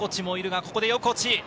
ここで横地！